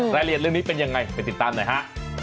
รายละเอียดเรื่องนี้เป็นยังไงไปติดตามหน่อยฮะ